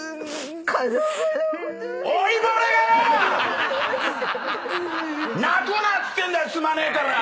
老いぼれがよ！泣くなっつってんだよ進まねえから！